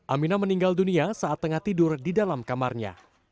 amina meninggal dunia saat tengah tidur di dalam kamarnya